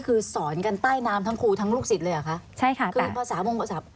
คือสอนกันใต้น้ำทั้งครูทั้งลูกศิษย์เลยเหรอคะใช่ค่ะคือภาษามงภาษา